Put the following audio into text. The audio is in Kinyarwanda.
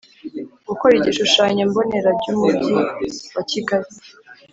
Gukora igishushanyo mbonera jyumugi wakigali